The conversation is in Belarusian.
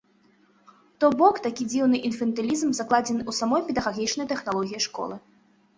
То бок такі дзіўны інфантылізм закладзены ў самой педагагічнай тэхналогіі школы.